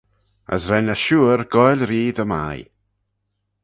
As ren e shuyr goaill ree dy mie.